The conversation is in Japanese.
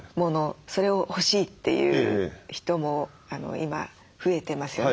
それを欲しいっていう人も今増えてますよね。